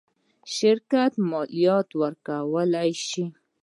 شرکت مالیات ورکولی شي.